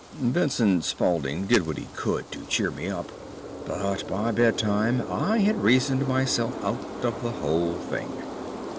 Vincent Spaulding did what he could to cheer me up, but by bedtime I had reasoned myself out of the whole thing.